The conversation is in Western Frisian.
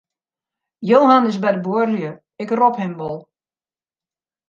Johan is by de buorlju, ik rop him wol.